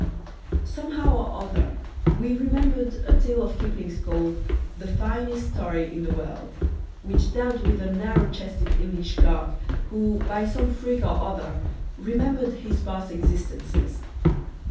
Somehow or other we remembered a tale of Kipling's called "The Finest Story In The World," which dealt with a narrow chested English clerk, who, by some freak or other, remembered his past existences.